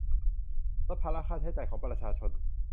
ลดภาระค่าใช้จ่ายของประชาชน